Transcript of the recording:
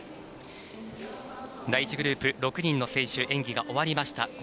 第１グループ、６人の選手演技が終わりました。